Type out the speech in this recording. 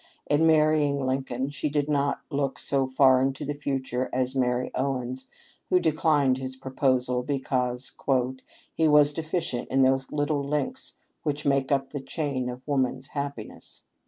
In marrying Lin coln she did not look so far into the future as Mary Owens, who declined his proposal because " he was deficient in those little links which make up the chain of woman's happiness."